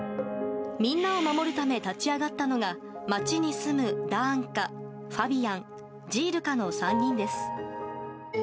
みんなを守るため立ち上がったのが、町に住むダーンカ、ファビヤンジールカの３人です。